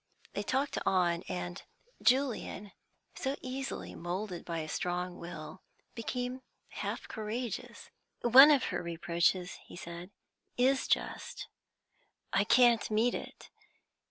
They talked on, and Julian, so easily moulded by a strong will, became half courageous. "One of her reproaches," he said, "is just; I can't meet it.